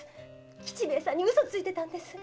吉兵衛さんに嘘ついてたんです！